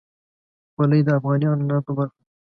خولۍ د افغاني عنعناتو برخه ده.